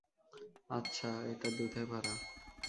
আচ্ছা, এটা দুধে ভরা।